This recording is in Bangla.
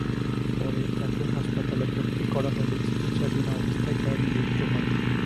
পরে তাঁকে হাসপাতালে ভর্তি করা হলে চিকিৎসাধীন অবস্থায় তাঁর মৃত্যু হয়।